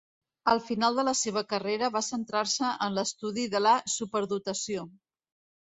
Al final de la seva carrera va centrar-se en l'estudi de la superdotació.